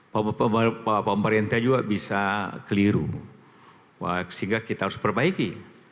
pemerintah juga bisa keliru sehingga kita harus perbaiki